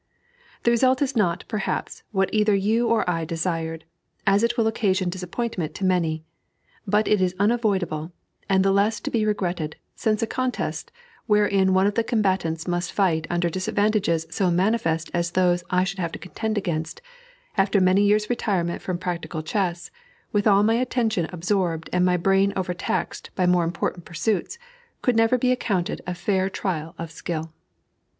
The result is not, perhaps, what either you or I desired, as it will occasion disappointment to many; but it is unavoidable, and the less to be regretted, since a contest, wherein one of the combatants must fight under disadvantages so manifest as those I should have to contend against, after many years' retirement from practical chess, with my attention absorbed and my brain overtaxed by more important pursuits, could never be accounted a fair trial of skill.